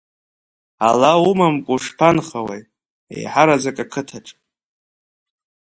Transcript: Ала умамкәа ушԥанхауеи, еиҳараӡак ақыҭаҿы…